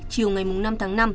chiều ngày năm tháng năm